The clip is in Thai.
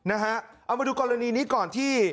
เอามาดูกรณีนี้ก่อนที่